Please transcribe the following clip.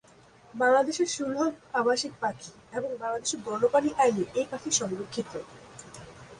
বাংলাদেশের সুলভ আবাসিক পাখি এবং বাংলাদেশ বন্যপ্রাণী আইনে এই পাখি সংরক্ষিত।